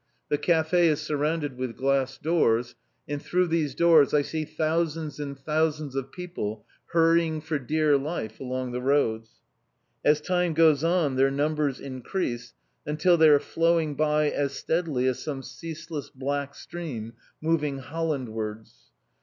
The café is surrounded with glass doors, and through these doors I see thousands and thousands of people hurrying for dear life along the roads. As time goes on their numbers increase, until they are flowing by as steadily as some ceaseless black stream moving Holland wards.